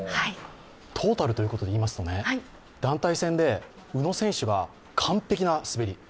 トータルということでいいますと団体戦で宇野選手が完璧な滑り。